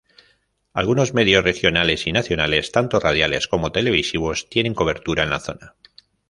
Algunos medios regionales y nacionales, tanto radiales como televisivos, tienen cobertura en la zona.